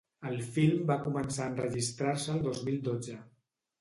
El film va començar a enregistrar-se el dos mil dotze.